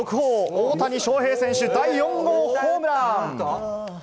大谷翔平選手、第４号ホームラン！